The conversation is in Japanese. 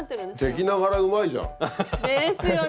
敵ながらうまいじゃん。ですよね。